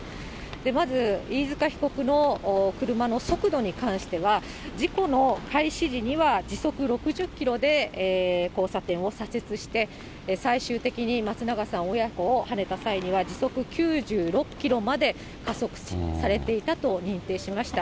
まず、飯塚被告の車の速度に関しては、事故の開始時には時速６０キロで交差点を左折して、最終的に松永さん親子をはねた際には時速９６キロまで加速されていたと認定しました。